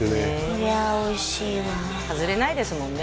いやおいしいわ外れないですもんね